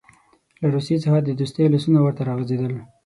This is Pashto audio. له روسیې څخه د دوستۍ لاسونه ورته راغځېدل.